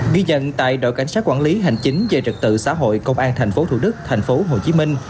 ghi nhận tại đội cảnh sát quản lý hành chính về trật tự xã hội công an thành phố thủ đức thành phố hồ chí minh